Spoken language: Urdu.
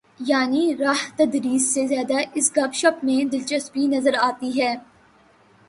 یعنی راہ تدریس سے زیادہ اس گپ شپ میں دلچسپی نظر آتی ہے۔